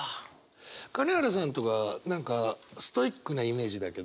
金原さんとか何かストイックなイメージだけど。